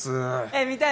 見たい。